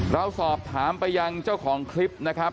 เราสอบถามไปยังเจ้าของคลิปนะครับ